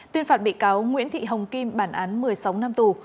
tuyên phạt bị cáo nguyễn thị hồng kim bản án một mươi sáu năm tù